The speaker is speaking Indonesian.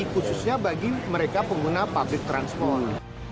khususnya bagi mereka pengguna public transport